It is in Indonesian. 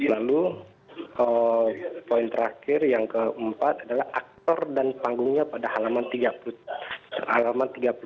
lalu poin terakhir yang keempat adalah aktor dan panggungnya pada halaman tiga puluh